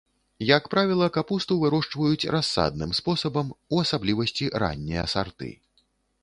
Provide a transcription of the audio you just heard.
Як правіла, капусту вырошчваюць рассадным спосабам, у асаблівасці раннія сарты.